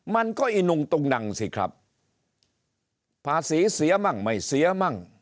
มันก็อีนุงตุงนังสิครับภาษีเสียมั่งไม่เสียมั่ง